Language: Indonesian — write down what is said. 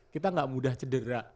kita gak mudah cedera